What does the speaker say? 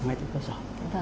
ngay tại cơ sở